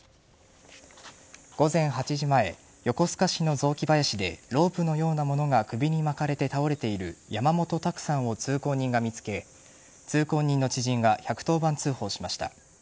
午後８時前横須賀市の雑木林でロープのようなものが首に巻かれて倒れている山本卓さんを通行人が見つけ通行人の知人が１１０番通報しました。